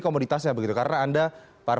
komoditasnya begitu karena anda para